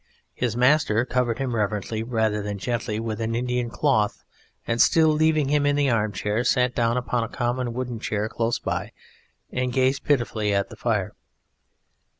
His master covered him reverently rather than gently with an Indian cloth and, still leaving him in the armchair, sat down upon a common wooden chair close by and gazed pitifully at the fire.